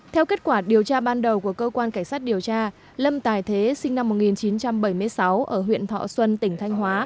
theo kết quả điều tra ban đầu của cơ quan cảnh sát điều tra lâm tài thế sinh năm một nghìn chín trăm bảy mươi sáu ở huyện thọ xuân tỉnh thanh hóa